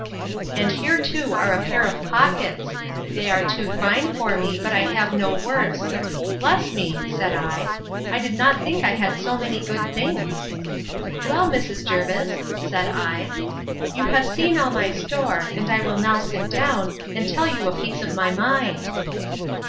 And here too are a pair of pockets: they are too fine for me; but I have no worse. Bless me, said I, I did not think I had so many good things! Well, Mrs. Jervis, said I, you have seen all my store, and I will now sit down, and tell you a piece of my mind.